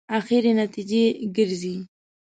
اخري نتیجې ګرځي.